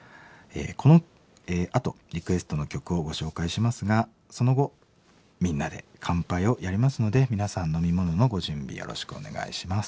このあとリクエストの曲をご紹介しますがその後みんなで乾杯をやりますので皆さん飲み物のご準備よろしくお願いします。